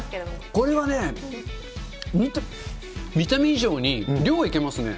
これはね、見た目以上に量いけますね。